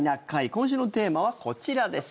今週のテーマはこちらです。